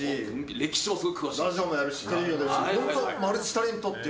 歴史もすごい詳しいです。